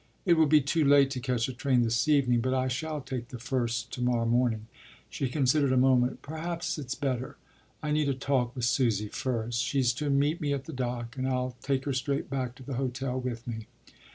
” “It will be too late to catch a train this evening; but I shall take the first to morrow morning.” She considered a moment. “‘Perhaps it’s better. I need a talk with Susy first. She’s to meet me at the dock, and I’ll take her straight back to the hotel with me.